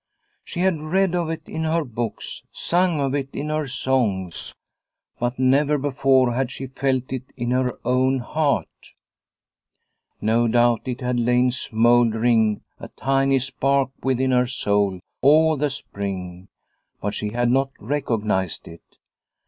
She had read of it in her books, sung of it in her songs, but never before had she felt it in her own heart. No doubt it had lain smouldering, a tiny spark within her soul, all the spring, but she had not recognised it.